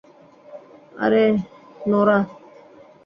আরে, নোরা?